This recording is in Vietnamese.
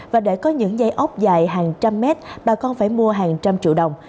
và để có những dây ốc dài hàng trăm mét bà con phải mua hàng trăm triệu đồng